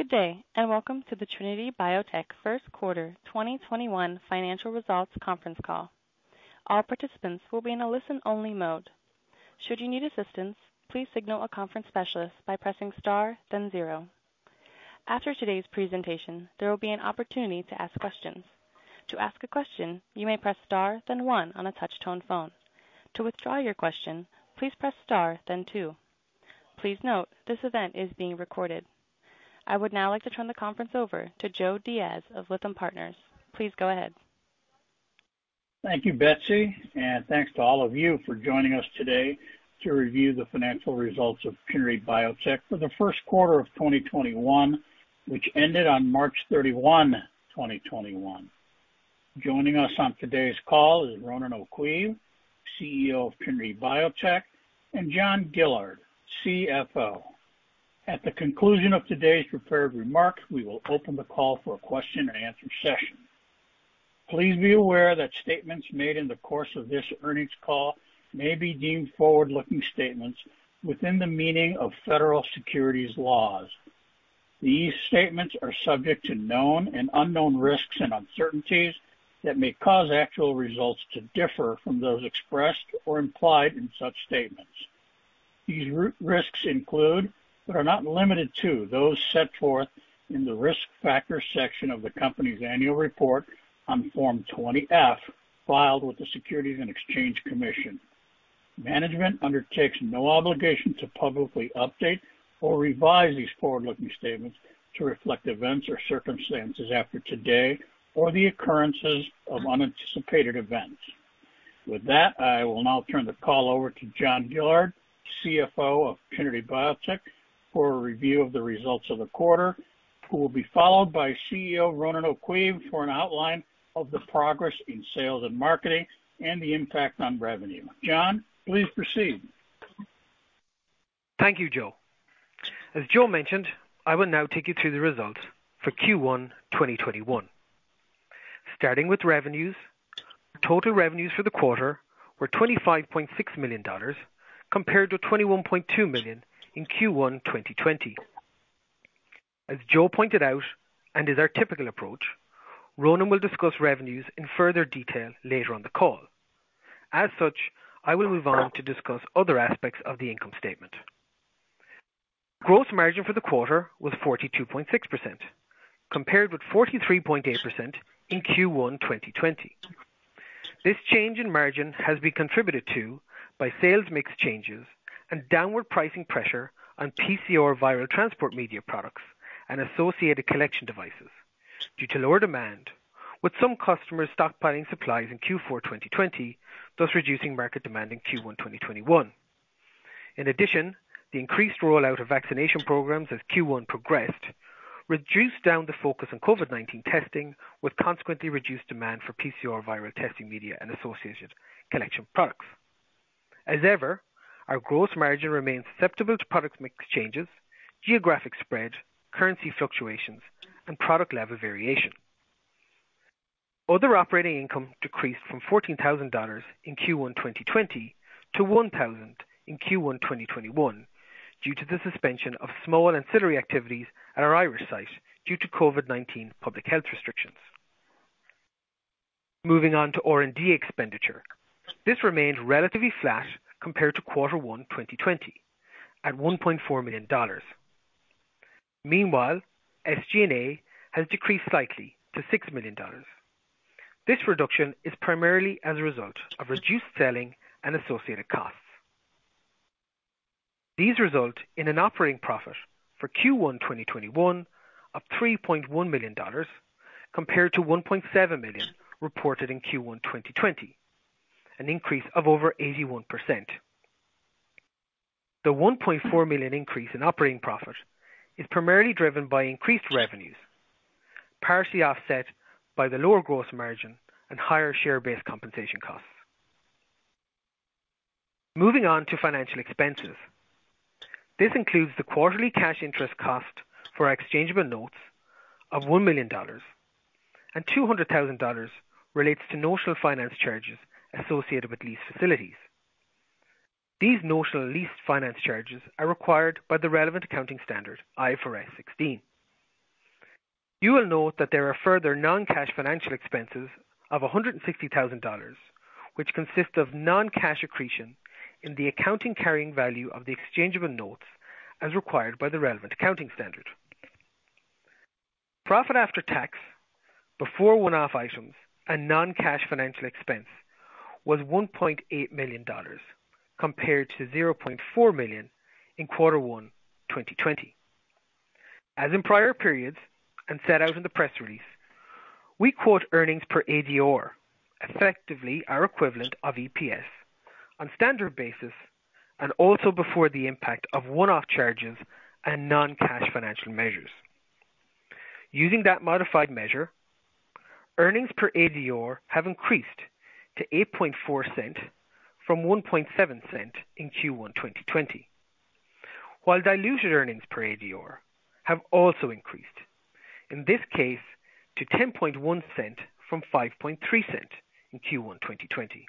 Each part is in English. Good day, and welcome to the Trinity Biotech's First Quarter 2021 Financial Results Conference Call. All participants will be on a listen-only mode. Should you need assistance, please signal a conference specialist by pressing star then zero. After today's presentation, there will be an opportunity to ask questions. To ask a question, you may press star then one on a touchtone phone. To withdraw your question, please press star then two. Please note, this event is being recorded. I would now like to turn the conference over to Joe Diaz of Lytham Partners. Please go ahead. Thank you, Betsy, thanks to all of you for joining us today to review the financial results of Trinity Biotech for the first quarter of 2021, which ended on March 31, 2021. Joining us on today's call is Ronan O'Caoimh, CEO of Trinity Biotech, and John Gillard, CFO. At the conclusion of today's prepared remarks, we will open the call for a question and answer session. Please be aware that statements made in the course of this earnings call may be deemed forward-looking statements within the meaning of federal securities laws. These statements are subject to known and unknown risks and uncertainties that may cause actual results to differ from those expressed or implied in such statements. These risks include, but are not limited to, those set forth in the risk factors section of the company's annual report on Form 20-F filed with the Securities and Exchange Commission. Management undertakes no obligation to publicly update or revise these forward-looking statements to reflect events or circumstances after today or the occurrences of unanticipated events. With that, I will now turn the call over to John Gillard, CFO of Trinity Biotech, for a review of the results of the quarter, who will be followed by CEO Ronan O'Caoimh for an outline of the progress in sales and marketing and the impact on revenue. John, please proceed. Thank you, Joe. As Joe mentioned, I will now take you through the results for Q1 2021. Starting with revenues, total revenues for the quarter were $25.6 million, compared to $21.2 million in Q1 2020. As Joe pointed out, and is our typical approach, Ronan will discuss revenues in further detail later on the call. As such, I will move on to discuss other aspects of the income statement. Gross margin for the quarter was 42.6%, compared with 43.8% in Q1 2020. This change in margin has been contributed to by sales mix changes and downward pricing pressure on PCR viral transport media products and associated collection devices due to lower demand, with some customers stockpiling supplies in Q4 2020, thus reducing market demand in Q1 2021. In addition, the increased rollout of vaccination programs as Q1 progressed reduced down the focus on COVID-19 testing, with consequently reduced demand for PCR viral testing media and associated collection products. As ever, our gross margin remains susceptible to product mix changes, geographic spread, currency fluctuations, and product level variation. Other operating income decreased from $14,000 in Q1 2020 to $1,000 in Q1 2021 due to the suspension of small ancillary activities at our Irish site due to COVID-19 public health restrictions. Moving on to R&D expenditure. This remained relatively flat compared to Q1 2020, at $1.4 million. Meanwhile, SG&A has decreased slightly to $6 million. This reduction is primarily as a result of reduced selling and associated costs. These result in an operating profit for Q1 2021 of $3.1 million, compared to $1.7 million reported in Q1 2020, an increase of over 81%. The $1.4 million increase in operating profit is primarily driven by increased revenues, partially offset by the lower gross margin and higher share-based compensation costs. Moving on to financial expenses. This includes the quarterly cash interest cost for our exchangeable notes of $1 million and $200,000 relates to notional finance charges associated with lease facilities. These notional lease finance charges are required by the relevant accounting standard, IFRS 16. You will note that there are further non-cash financial expenses of $160,000, which consist of non-cash accretion in the accounting carrying value of the exchangeable notes as required by the relevant accounting standard. Profit after tax, before one-off items and non-cash financial expense, was $1.8 million, compared to $0.4 million in quarter one 2020. As in prior periods, and set out in the press release, we quote earnings per ADR, effectively our equivalent of EPS, on standard basis and also before the impact of one-off charges and non-cash financial measures. Using that modified measure, earnings per ADR have increased to $0.084 from $0.017 in Q1 2020. While diluted earnings per ADR have also increased, in this case to $0.101 from $0.053 in Q1 2020.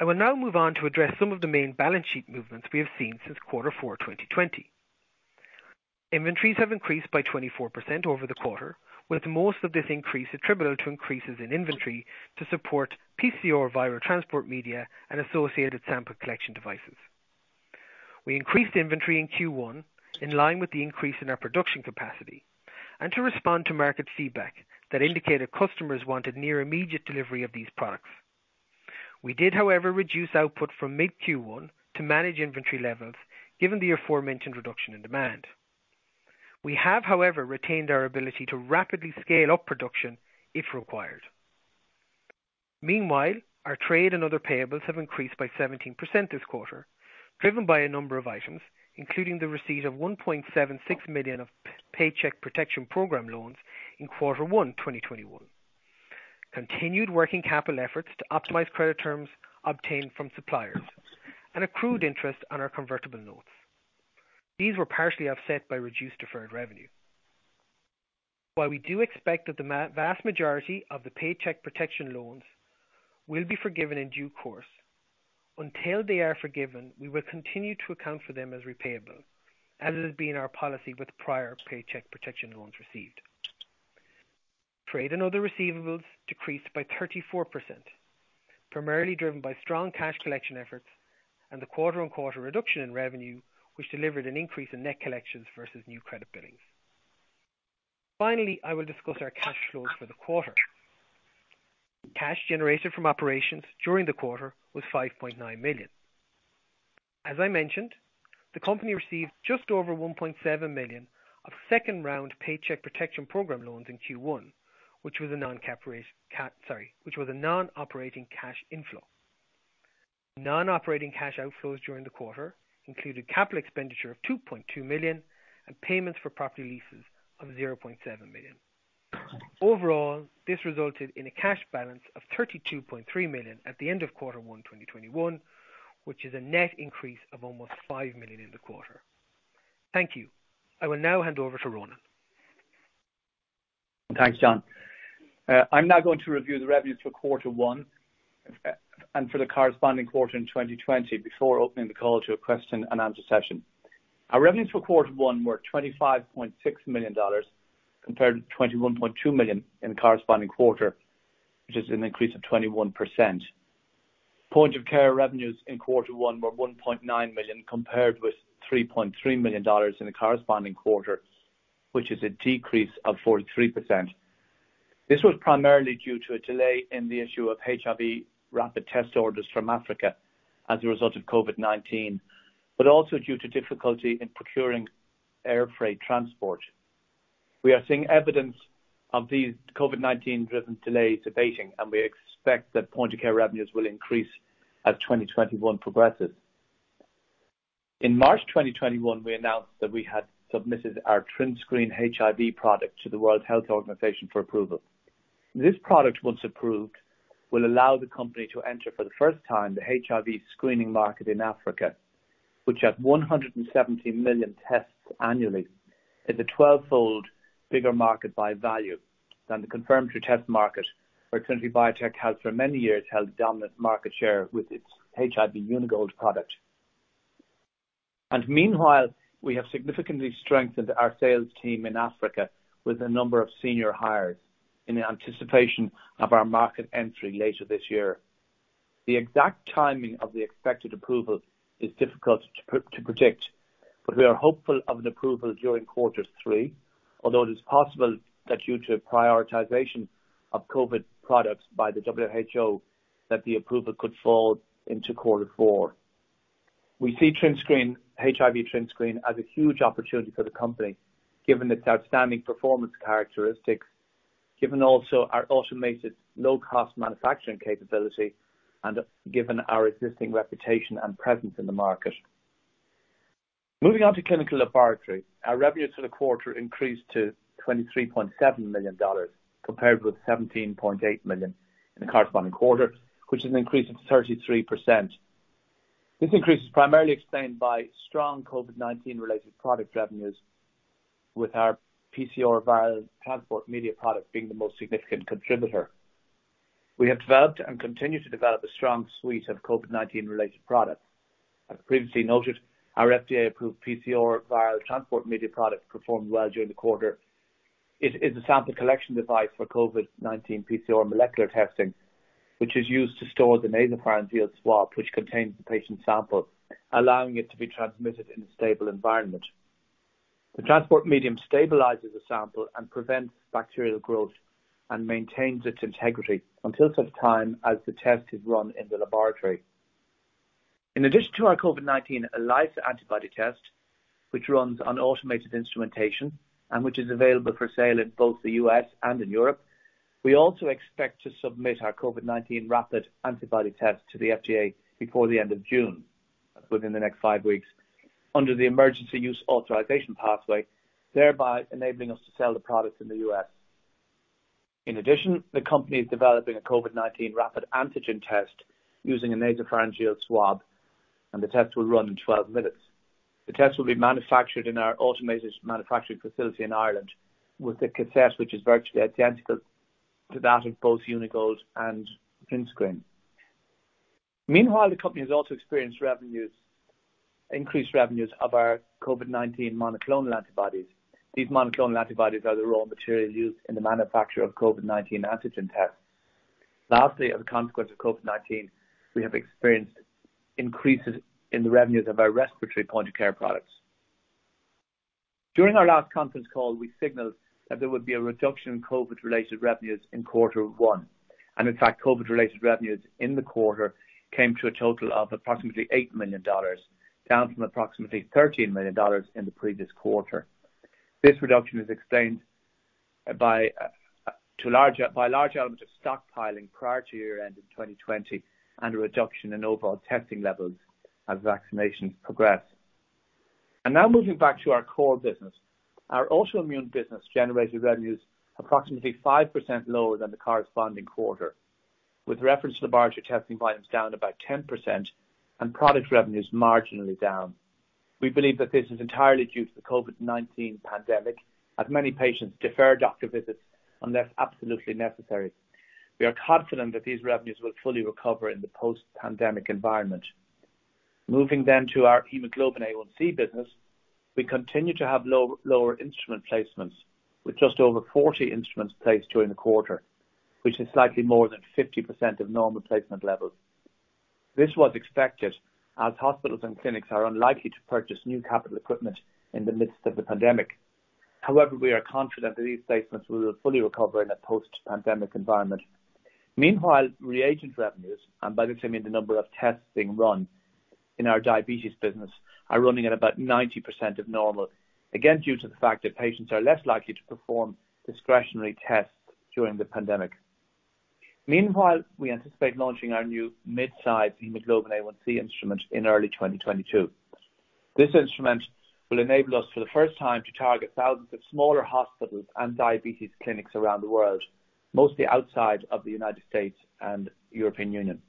I will now move on to address some of the main balance sheet movements we have seen since quarter four 2020. Inventories have increased by 24% over the quarter, with most of this increase attributable to increases in inventory to support PCR viral transport media and associated sample collection devices. We increased inventory in Q1 in line with the increase in our production capacity, and to respond to market feedback that indicated customers wanted near immediate delivery of these products. We did, however, reduce output from mid Q1 to manage inventory levels, given the aforementioned reduction in demand. We have, however, retained our ability to rapidly scale up production if required. Meanwhile, our trade and other payables have increased by 17% this quarter, driven by a number of items, including the receipt of $1.76 million of Paycheck Protection Program loans in quarter one 2021, continued working capital efforts to optimize credit terms obtained from suppliers, and accrued interest on our convertible notes. These were partially offset by reduced deferred revenue. While we do expect that the vast majority of the Paycheck Protection loans will be forgiven in due course, until they are forgiven, we will continue to account for them as repayable, as has been our policy with prior Paycheck Protection loans received. Trade and other receivables decreased by 34%, primarily driven by strong cash collection efforts and the quarter-on-quarter reduction in revenue, which delivered an increase in net collections versus new credit billings. Finally, I will discuss our cash flows for the quarter. Cash generated from operations during the quarter was $5.9 million. As I mentioned, the company received just over $1.7 million of second-round Paycheck Protection Program loans in Q1, which was a non-operating cash inflow. Non-operating cash outflows during the quarter included capital expenditure of $2.2 million and payments for property leases of $0.7 million. Overall, this resulted in a cash balance of $32.3 million at the end of quarter one 2021, which is a net increase of almost $5 million in the quarter. Thank you. I will now hand over to Ronan. Thanks, John. I am now going to review the revenues for quarter one and for the corresponding quarter in 2020 before opening the call to a question and answer session. Our revenues for quarter one were $25.6 million, compared to $21.2 million in the corresponding quarter, which is an increase of 21%. Point of care revenues in quarter one were $1.9 million compared with $3.3 million in the corresponding quarter, which is a decrease of 43%. This was primarily due to a delay in the issue of HIV rapid test orders from Africa as a result of COVID-19, but also due to difficulty in procuring air freight transport. We are seeing evidence of these COVID-19 driven delays abating, and we expect that point of care revenues will increase as 2021 progresses. In March 2021, we announced that we had submitted our TrinScreen HIV product to the World Health Organization for approval. This product, once approved, will allow the company to enter for the first time the HIV screening market in Africa, which at 117 million tests annually, is a twelvefold bigger market by value than the confirmatory test market where Trinity Biotech has for many years held dominant market share with its HIV Uni-Gold product. Meanwhile, we have significantly strengthened our sales team in Africa with a number of senior hires in anticipation of our market entry later this year. The exact timing of the expected approval is difficult to predict, but we are hopeful of an approval during quarter three, although it is possible that due to prioritization of COVID products by the WHO, that the approval could fall into quarter four. We see HIV TrinScreen as a huge opportunity for the company, given its outstanding performance characteristics, given also our automated low-cost manufacturing capability, and given our existing reputation and presence in the market. Moving on to chemical laboratory. Our revenues for the quarter increased to $23.7 million compared with $17.8 million in the corresponding quarter, which is an increase of 33%. This increase is primarily explained by strong COVID-19 related product revenues with our PCR viral transport media product being the most significant contributor. We have developed and continue to develop a strong suite of COVID-19 related products. As previously noted, our FDA-approved PCR viral transport media product performed well during the quarter. It is a sample collection device for COVID-19 PCR molecular testing, which is used to store the nasopharyngeal swab which contains the patient sample, allowing it to be transmitted in a stable environment. The transport medium stabilizes the sample and prevents bacterial growth and maintains its integrity until such time as the test is run in the laboratory. In addition to our COVID-19 ELISA antibody test, which runs on automated instrumentation and which is available for sale in both the U.S. and in Europe, we also expect to submit our COVID-19 rapid antibody test to the FDA before the end of June, within the next five weeks, under the Emergency Use Authorization pathway, thereby enabling us to sell the product in the U.S. The company is developing a COVID-19 rapid antigen test using a nasopharyngeal swab. The test will run in 12 minutes. The test will be manufactured in our automated manufacturing facility in Ireland with a cassette which is virtually identical to that of both Uni-Gold and TrinScreen. Meanwhile, the company has also experienced increased revenues of our COVID-19 monoclonal antibodies. These monoclonal antibodies are the raw material used in the manufacture of COVID-19 antigen tests. Lastly, as a consequence of COVID-19, we have experienced increases in the revenues of our respiratory point-of-care products. During our last conference call, we signaled that there would be a reduction in COVID-related revenues in quarter one. In fact, COVID-related revenues in the quarter came to a total of approximately $8 million, down from approximately $13 million in the previous quarter. This reduction is explained by large elements of stockpiling prior to year-end in 2020 and a reduction in overall testing levels as vaccination progressed. Now moving back to our core business. Our autoimmune business generated revenues approximately 5% lower than the corresponding quarter, with reference laboratory testing volumes down about 10% and product revenues marginally down. We believe that this is entirely due to the COVID-19 pandemic, as many patients deferred doctor visits unless absolutely necessary. We are confident that these revenues will fully recover in the post-pandemic environment. Moving to our hemoglobin A1c business. We continue to have lower instrument placements with just over 40 instruments placed during the quarter, which is slightly more than 50% of normal placement levels. This was expected as hospitals and clinics are unlikely to purchase new capital equipment in the midst of a pandemic. However, we are confident that these placements will fully recover in a post-pandemic environment. Meanwhile, reagent revenues, and by that, I mean the number of tests being run in our diabetes business are running at about 90% of normal, again, due to the fact that patients are less likely to perform discretionary tests during the pandemic. Meanwhile, we anticipate launching our new midsize hemoglobin A1c instrument in early 2022. This instrument will enable us for the first time to target thousands of smaller hospitals and diabetes clinics around the world, mostly outside of the U.S. and the European Union.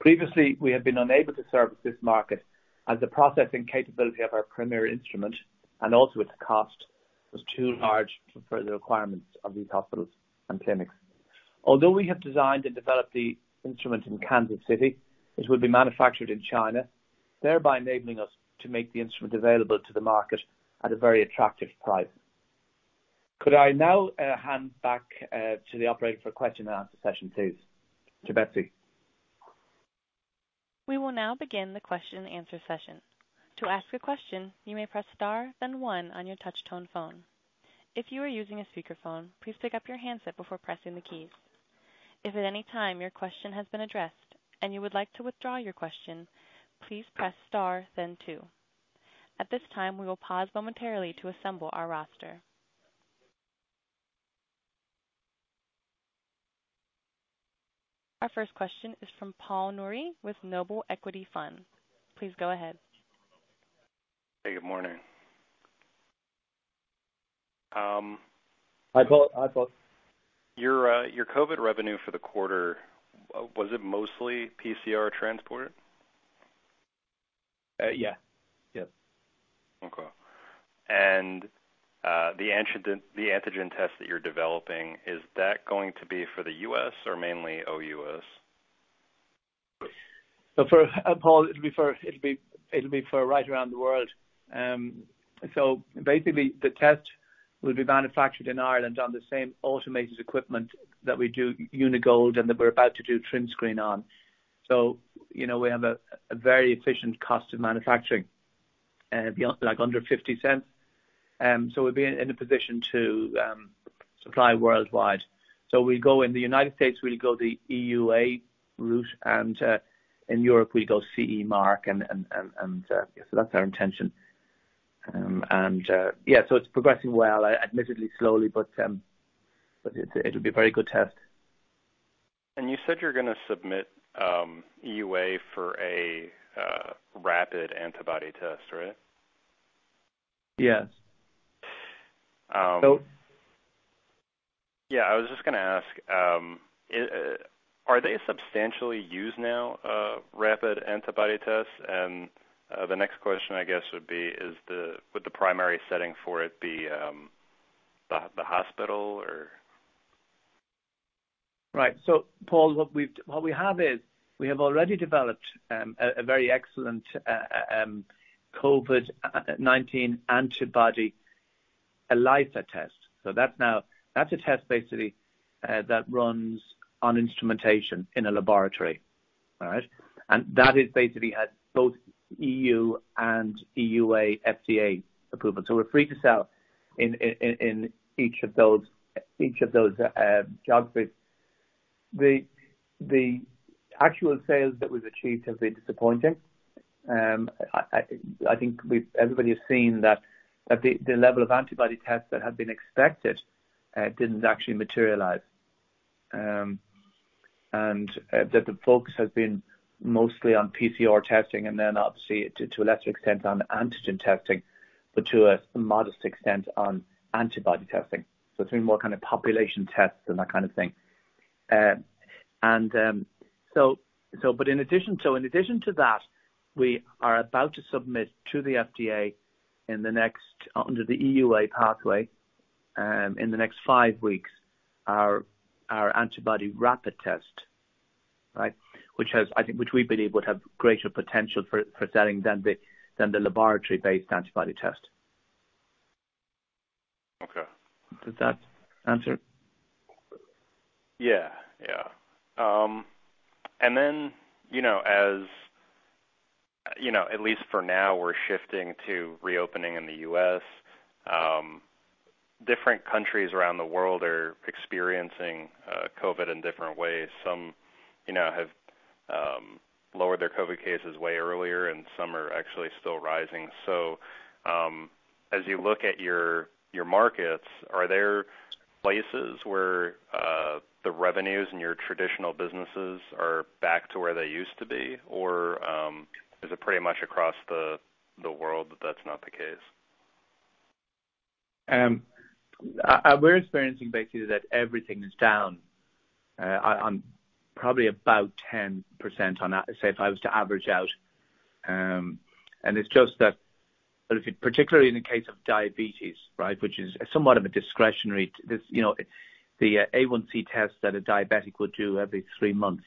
Previously, we have been unable to service this market as the processing capability of our Premier instrument, and also its cost, was too large for the requirements of these hospitals and clinics. Although we have designed and developed the instrument in Kansas City, it will be manufactured in China, thereby enabling us to make the instrument available to the market at a very attractive price. Could I now hand back to the operator for question and answer session, please? To Betsy. We will now begin the question and answer session. To ask a question, you may press star then one on your touchtone phone. If you are using a speakerphone, please pick up your handset before pressing the keys. If at any time your question has been addressed and you would like to withdraw your question, please press star then two. At this time, we will pause momentarily to assemble our roster. Our first question is from Paul Nouri with Noble Equity Fund. Please go ahead. Hey, good morning. Hi, Paul. Your COVID revenue for the quarter, was it mostly PCR transported? Yeah. Okay. The antigen test that you're developing, is that going to be for the U.S. or mainly OUS? First, Paul, it'll be for right around the world. Basically, the test will be manufactured in Ireland on the same automated equipment that we do Uni-Gold and that we're about to do TrinScreen on. We have a very efficient cost of manufacturing, beyond like under $0.50. We'll be in a position to supply worldwide. In the U.S., we go the EUA route, and in Europe, we go CE mark, that's our intention. Yeah, it's progressing well, admittedly slowly, but it'll be a very good test. You said you're going to submit EUA for a rapid antibody test, right? Yes. Yeah, I was just going to ask, are they substantially used now, rapid antibody tests? The next question, I guess would be, would the primary setting for it be the hospital or? Right. Paul, what we have is we have already developed a very excellent COVID-19 antibody ELISA test. That's a test basically that runs on instrumentation in a laboratory. All right? That has both EU and EUA, FDA approval. We're free to sell in each of those geographies. The actual sales that we've achieved have been disappointing. I think everybody has seen that the level of antibody tests that had been expected didn't actually materialize, and that the focus has been mostly on PCR testing and then obviously to a lesser extent on antigen testing, but to a modest extent on antibody testing. It's been more population tests and that kind of thing. In addition to that, we are about to submit to the FDA under the EUA pathway, in the next five weeks, our antibody rapid test. Which we believe would have greater potential for selling than the laboratory-based antibody test. Okay. Did that answer it? Yeah. At least for now, we're shifting to reopening in the U.S. Different countries around the world are experiencing COVID in different ways. Some have lowered their COVID cases way earlier, and some are actually still rising. As you look at your markets, are there places where the revenues in your traditional businesses are back to where they used to be? Is it pretty much across the world that that's not the case? We're experiencing basically that everything is down on probably about 10% on that, say, if I was to average out. It's just that, particularly in the case of diabetes, which is somewhat of a discretionary The A1C test that a diabetic would do every three months,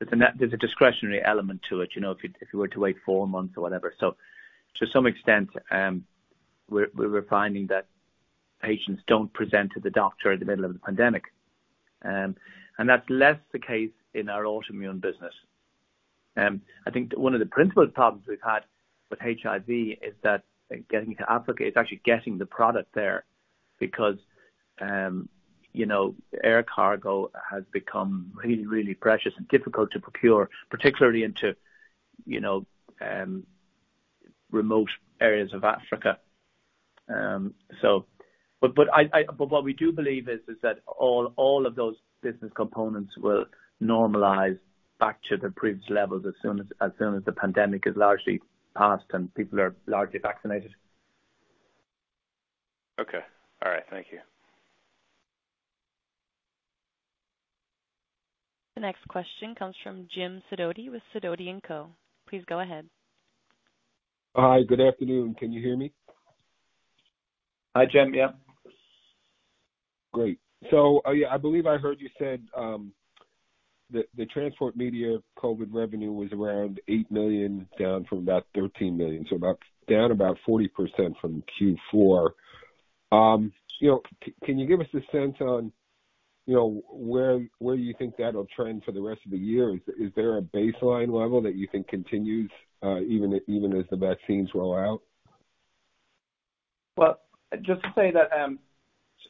there's a discretionary element to it, if you were to wait four months or whatever. To some extent, we were finding that patients don't present to the doctor in the middle of the pandemic. That's less the case in our autoimmune business. I think that one of the principal problems we've had with HIV is that getting into Africa, it's actually getting the product there because air cargo has become really, really precious and difficult to procure, particularly into remote areas of Africa. What we do believe is that all of those business components will normalize back to their previous levels as soon as the pandemic is largely passed and people are largely vaccinated. Okay. All right. Thank you. The next question comes from Jim Sidoti with Sidoti & Co. Please go ahead. Hi, good afternoon. Can you hear me? Hi, Jim. Yeah. Great. I believe I heard you said, the transport media COVID revenue was around $8 million, down from about $13 million. Down about 40% from Q4. Can you give us a sense on where you think that'll trend for the rest of the year? Is there a baseline level that you think continues, even as the vaccines roll out? Well, just to say that,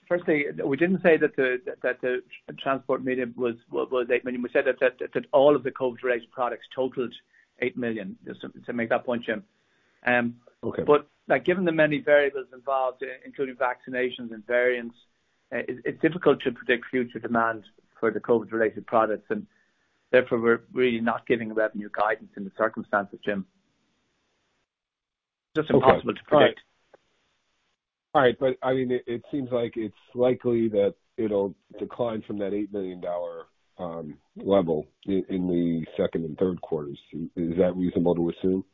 firstly, we didn't say that the transport media was $8 million. We said that all of the COVID-related products totaled $8 million, just to make that point, Jim. Okay. Given the many variables involved, including vaccinations and variants, it's difficult to predict future demand for the COVID-related products, and therefore, we're really not giving revenue guidance in the circumstances, Jim. It's just impossible to predict. All right. It seems like it's likely that it'll decline from that $8 million level in the second and third quarters. Is that reasonable to assume?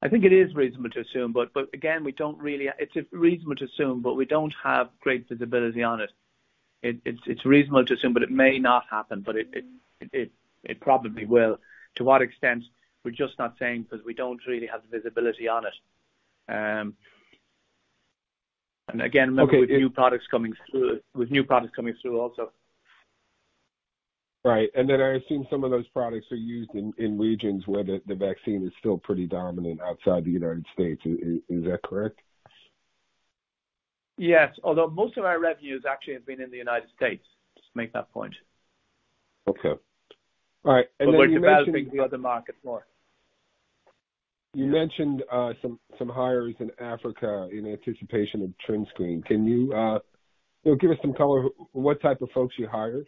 I think it is reasonable to assume, but again, it's reasonable to assume, but we don't have great visibility on it. It's reasonable to assume, but it may not happen. It probably will. To what extent, we're just not saying because we don't really have the visibility on it. Okay. With new products coming through also. Right. Then I assume some of those products are used in regions where the vaccine is still pretty dominant outside the United States. Is that correct? Yes. Although most of our revenues actually have been in the United States. Just to make that point. Okay. All right. You mentioned. We're developing the other markets more. You mentioned some hires in Africa in anticipation of TrinScreen. Can you give us some color what type of folks you hired?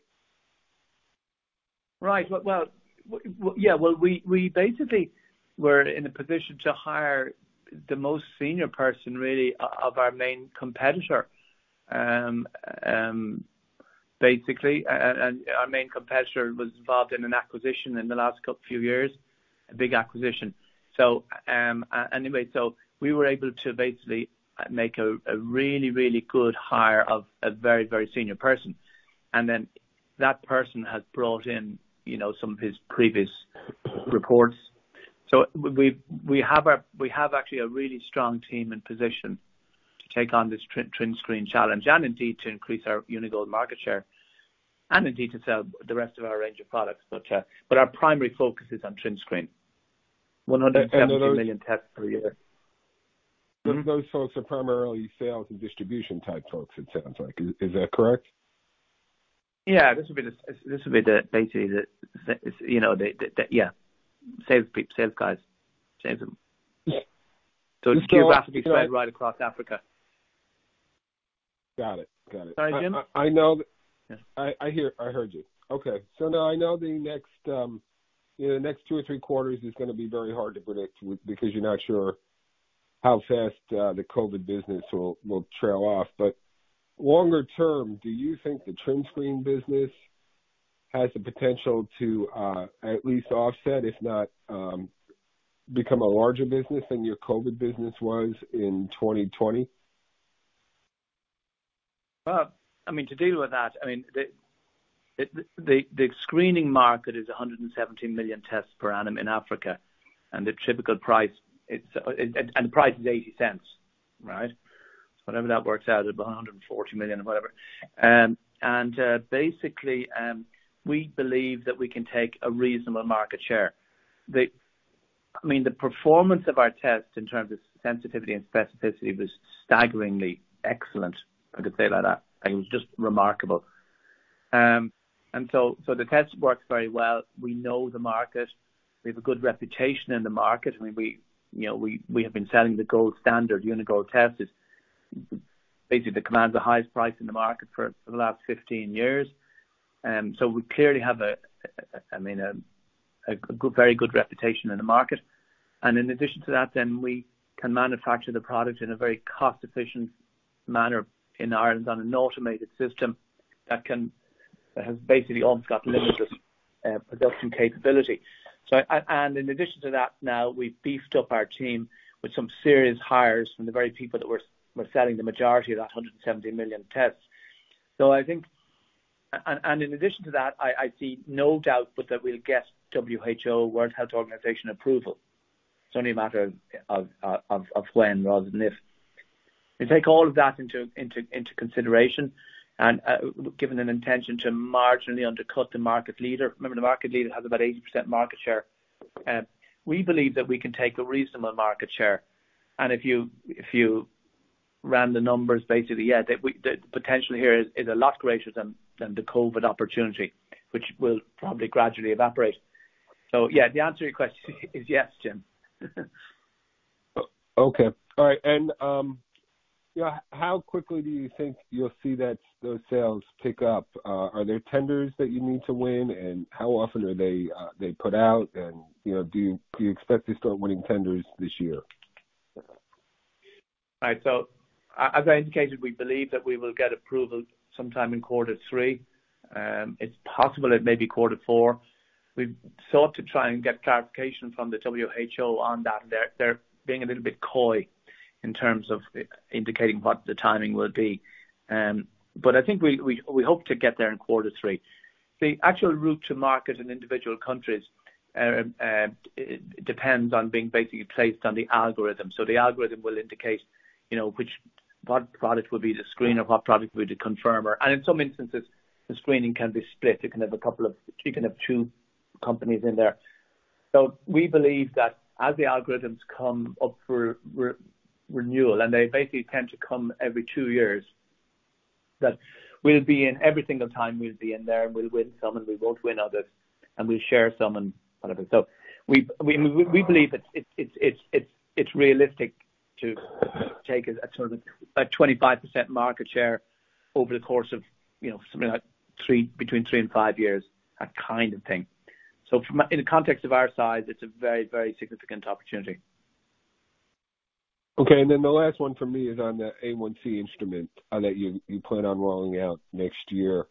Well, we basically were in a position to hire the most senior person, really, of our main competitor. Basically, our main competitor was involved in an acquisition in the last few years, a big acquisition. Anyway, we were able to basically make a really, really good hire of a very, very senior person. That person has brought in some of his previous reports. We have actually a really strong team and position to take on this TrinScreen challenge, and indeed to increase our Uni-Gold market share, and indeed to sell the rest of our range of products. Our primary focus is on TrinScreen. 170 million tests per year. Those folks are primarily sales and distribution-type folks, it sounds like. Is that correct? Yeah. This would be basically the sales guys. Sales team. Geographically spread right across Africa. Got it. Sorry, Jim? I heard you. Okay. Now I know the next two or three quarters is going to be very hard to predict because you're not sure how fast the COVID business will trail off. Longer term, do you think the TrinScreen business has the potential to at least offset, if not become a larger business than your COVID business was in 2020? To deal with that, the screening market is 117 million tests per annum in Africa, and the typical price is $0.80. Whatever that works out, it'll be $140 million or whatever. Basically, we believe that we can take a reasonable market share. The performance of our test in terms of sensitivity and specificity was staggeringly excellent, if I could say it like that. It was just remarkable. The test works very well. We know the market. We have a good reputation in the market. We have been selling the gold standard Uni-Gold test. It's basically commands the highest price in the market for the last 15 years. We clearly have a very good reputation in the market, and in addition to that, then we can manufacture the product in a very cost-efficient manner in Ireland on an automated system that has basically almost got limitless production capability. In addition to that, now we've beefed up our team with some serious hires from the very people that were selling the majority of that 170 million tests. In addition to that, I see no doubt but that we'll get WHO, World Health Organization approval. It's only a matter of when rather than if. You take all of that into consideration and given an intention to marginally undercut the market leader. Remember, the market leader has about 80% market share. We believe that we can take a reasonable market share. If you ran the numbers, basically, the potential here is a lot greater than the COVID opportunity, which will probably gradually evaporate. Yeah, the answer to your question is yes, Jim. Okay. All right. How quickly do you think you'll see those sales pick up? Are there tenders that you need to win? How often are they put out? Do you expect to start winning tenders this year? As I indicated, we believe that we will get approval sometime in quarter three. It's possible it may be quarter four. We've sought to try and get clarification from the WHO on that. They're being a little bit coy in terms of indicating what the timing will be. I think we hope to get there in quarter three. The actual route to market in individual countries depends on being basically placed on the algorithm. The algorithm will indicate what product will be the screener, what product will be the confirmer. In some instances, the screening can be split. It can have two companies in there. We believe that as the algorithms come up for renewal, and they basically tend to come every two years, that every single time we'll be in there, and we'll win some, and we won't win others, and we'll share some and whatever. We believe it's realistic to take a sort of a 25% market share over the course of something like between three and five years, that kind of thing. In the context of our size, it's a very, very significant opportunity. Okay. The last one for me is on the A1C instrument that you plan on rolling out next year.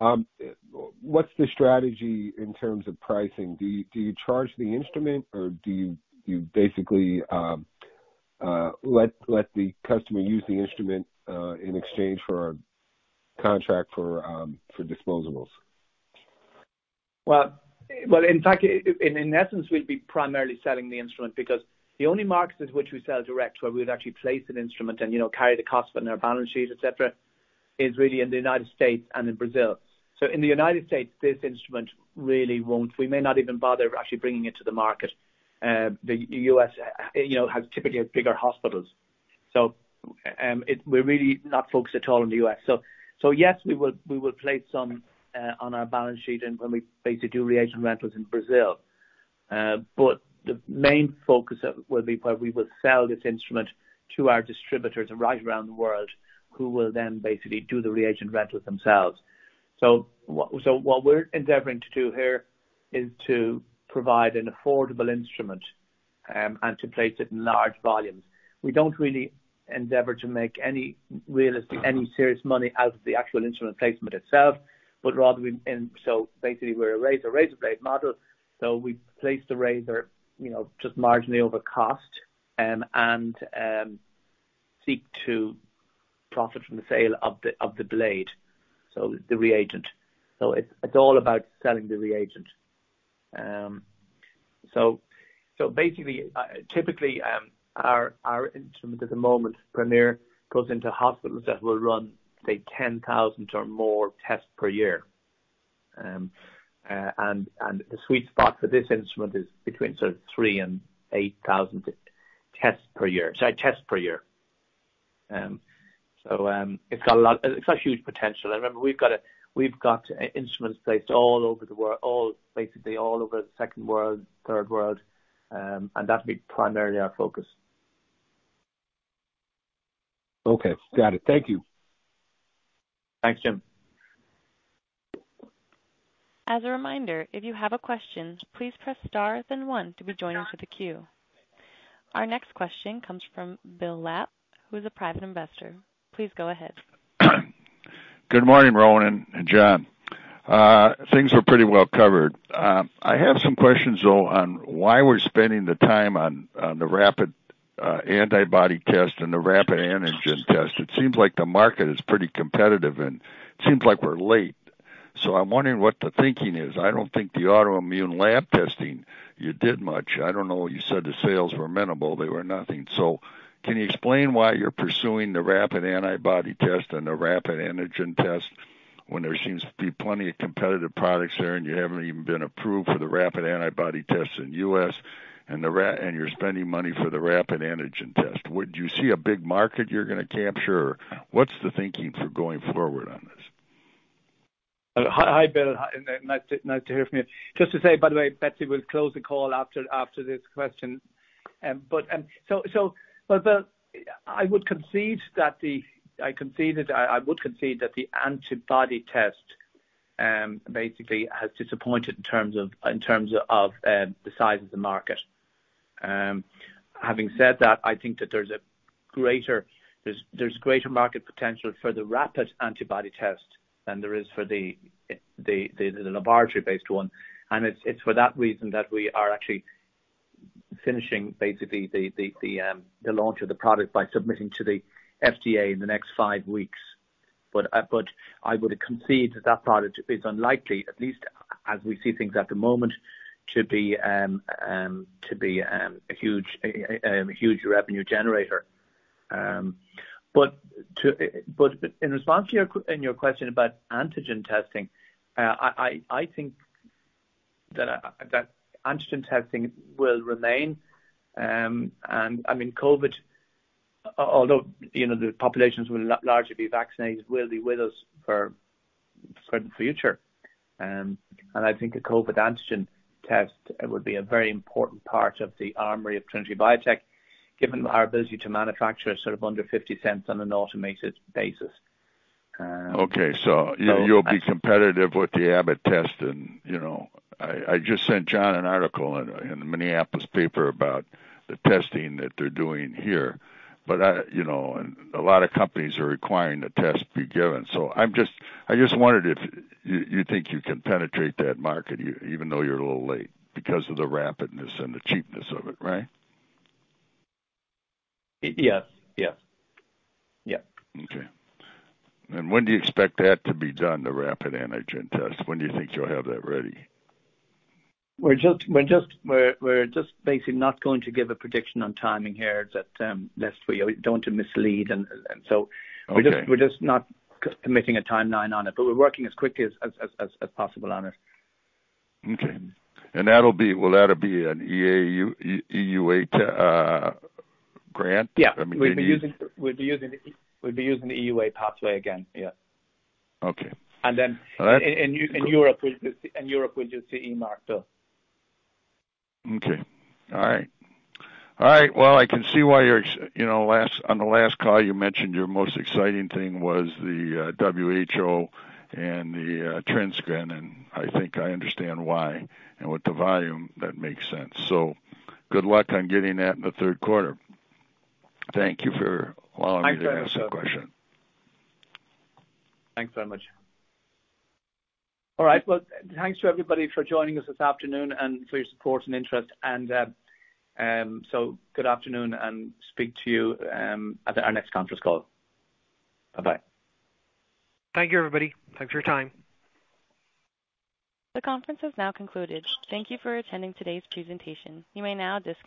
What's the strategy in terms of pricing? Do you charge the instrument, or do you basically let the customer use the instrument in exchange for a contract for disposables? In fact, in essence, we'll be primarily selling the instrument because the only markets in which we sell direct, where we'd actually place an instrument and carry the cost on their balance sheet, et cetera, is really in the United States and in Brazil. In the United States, this instrument really won't. We may not even bother actually bringing it to the market. The U.S. has typically bigger hospitals. We're really not focused at all on the U.S. Yes, we will place some on our balance sheet and when we basically do reagent rentals in Brazil. The main focus will be where we will sell this instrument to our distributors right around the world, who will then basically do the reagent rentals themselves. What we're endeavoring to do here is to provide an affordable instrument, and to place it in large volumes. We don't really endeavor to make any serious money out of the actual instrument placement itself, but rather, basically we're a razor blade model. We place the razor just marginally over cost and seek to profit from the sale of the blade, so the reagent. It's all about selling the reagent. Basically, typically, our instrument at the moment, Premier, goes into hospitals that will run, say, 10,000 or more tests per year. The sweet spot for this instrument is between sort of three and 8,000 tests per year. It's got huge potential. Remember, we've got instruments placed all over the world, basically all over the Second World, Third World. That'll be primarily our focus. Okay. Got it. Thank you. Thanks, Jim. As a reminder, if you have a question, please press star then one to be joined onto the queue. Our next question comes from Bill Lapp, who's a private investor. Please go ahead. Good morning, Ronan and John. Things are pretty well covered. I have some questions, though, on why we're spending the time on the rapid antibody test and the rapid antigen test. It seems like the market is pretty competitive and seems like we're late. I'm wondering what the thinking is. I don't think the autoimmune lab testing, you did much. I don't know, you said the sales were minimal. They were nothing. Can you explain why you're pursuing the rapid antibody test and the rapid antigen test when there seems to be plenty of competitive products there, and you haven't even been approved for the rapid antibody test in the U.S., and you're spending money for the rapid antigen test? Do you see a big market you're going to capture, or what's the thinking for going forward on this? Hi, Bill. Nice to hear from you. Just to say, by the way, Betsy will close the call after this question. Bill, I would concede that the antibody test basically has disappointed in terms of the size of the market. Having said that, I think that there's greater market potential for the rapid antibody test than there is for the laboratory-based one, and it's for that reason that we are actually finishing basically the launch of the product by submitting to the FDA in the next five weeks. I would concede that that product is unlikely, at least as we see things at the moment, to be a huge revenue generator. In response to your question about antigen testing, I think that antigen testing will remain. COVID, although the populations will largely be vaccinated, will be with us for the future. I think a COVID antigen test would be a very important part of the armor of Trinity Biotech, given our ability to manufacture it sort of under $0.50 on an automated basis. Okay. You'll be competitive with the Abbott test. I just sent John an article in the Minneapolis paper about the testing that they're doing here. A lot of companies are requiring the test to be given. I just wondered if you think you can penetrate that market, even though you're a little late because of the rapidness and the cheapness of it, right? Yeah. Okay. When do you expect that to be done, the rapid antigen test? When do you think you'll have that ready? We're just basically not going to give a prediction on timing here, lest we don't mislead. Okay. We're just not committing a timeline on it, but we're working as quickly as possible on it. Okay. That'll be an EUA grant? I mean, EUA. Yeah. We'd be using the EUA pathway again. Yeah. Okay. In Europe, we'll just CE mark those. Okay. All right. Well, I can see why on the last call you mentioned your most exciting thing was the WHO and the TrinScreen, and I think I understand why, and with the volume, that makes sense. Good luck on getting that in the third quarter. Thank you for allowing me to ask the question. Thanks very much. All right, well, thanks to everybody for joining us this afternoon and for your support and interest. Good afternoon. Speak to you at our next conference call. Bye-bye. Thank you, everybody. Thanks for your time. The conference is now concluded. Thank you for attending today's presentation. You may now disconnect.